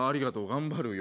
頑張るよ。